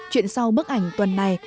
chuyện sau bức ảnh tuần này